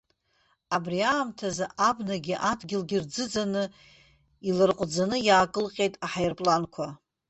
Абри аамҭазы абнагьы адгьылгьы рӡыӡаны, иларҟәӡаны иаакылҟьеит аҳаирпланқәа.